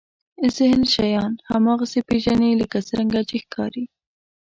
ذهن شیان هماغسې پېژني لکه څرنګه چې ښکاري.